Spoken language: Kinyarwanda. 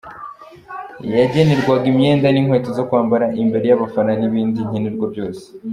Yagenerwaga imyenda n’inkweto zo kwambara imbere y’abafana n’ibindi nkenerwa byose.